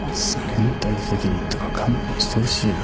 連帯責任とか勘弁してほしいよ。